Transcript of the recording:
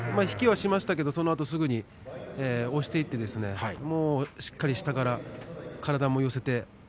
引きはしましたけど、そのあとすぐに押していってしっかり下から体も寄せて。